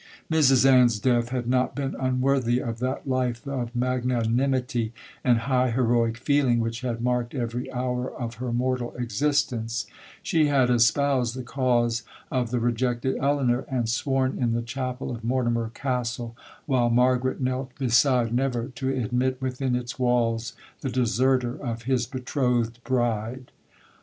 'Mrs Ann's death had not been unworthy of that life of magnanimity and high heroic feeling which had marked every hour of her mortal existence—she had espoused the cause of the rejected Elinor, and sworn in the chapel of Mortimer Castle, while Margaret knelt beside, never to admit within its walls the deserter of his betrothed bride.